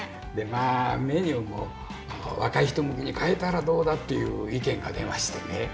でまあメニューも若い人向けに変えたらどうだっていう意見が出ましてね。